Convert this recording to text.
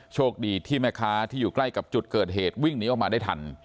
โชคดีที่แม่ค้าที่อยู่ใกล้กับจุดเกิดเหตุวิ่งหนีออกมาได้ทัน